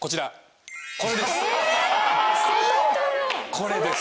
これです。